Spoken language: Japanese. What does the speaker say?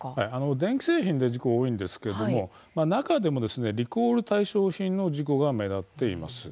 電気製品の事故が多いんですけれども中でもリコール対象品の事故が目立っています。